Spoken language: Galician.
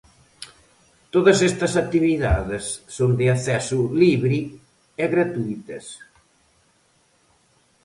Todas estas actividades son de acceso libre e gratuítas.